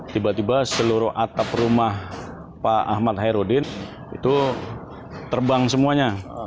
tiba tiba seluruh atap rumah pak ahmad hairudin itu terbang semuanya